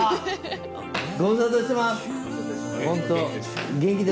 ご無沙汰してます。